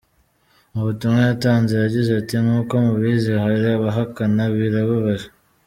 Mu butumwa yatanze, yagize ati, ’’Nkuko mubizi hari abahakana birababaje.